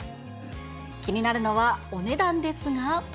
気になるのはお値段ですが。